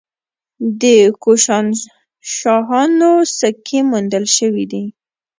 د کوشانشاهانو سکې موندل شوي دي